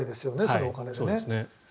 そのお金でね。